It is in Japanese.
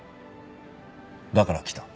だから来た。